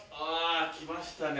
来ましたね